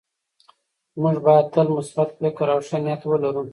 موږ باید تل مثبت فکر او ښه نیت ولرو